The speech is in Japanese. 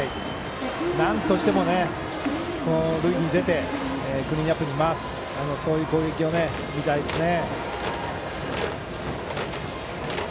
なんとしても塁に出てクリーンナップに回すそういう攻撃を見たいですね。